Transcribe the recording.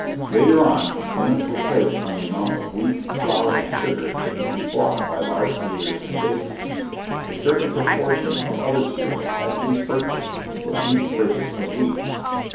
Later on, limits were placed on the amount of wheat, flour, and sugar that could be bought by large dealers and bakeries. A certain proportion of other cereals had to be purchased with each purchase of wheat.